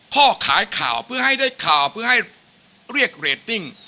ข้อขายข่าวเพื่อให้ได้ข่าวเพื่อให้เรียกเรตติ้ง